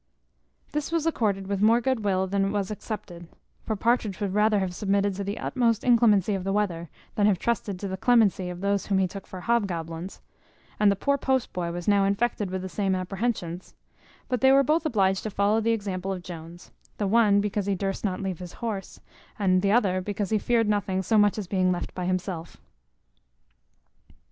This was accorded with more good will than it was accepted: for Partridge would rather have submitted to the utmost inclemency of the weather than have trusted to the clemency of those whom he took for hobgoblins; and the poor post boy was now infected with the same apprehensions; but they were both obliged to follow the example of Jones; the one because he durst not leave his horse, and the other because he feared nothing so much as being left by himself.